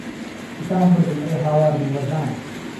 سوتام، مردم، ئەی هاوار، دڵ بە ژانە